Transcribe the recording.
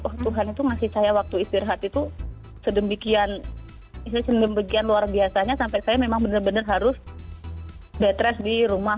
oh tuhan itu ngasih saya waktu istirahat itu sedemikian luar biasanya sampai saya memang benar benar harus betres di rumah